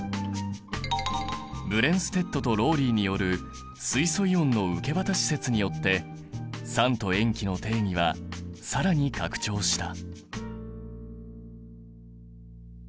ブレンステッドとローリーによる水素イオンの受け渡し説によって酸と塩基の定義は更に拡張した。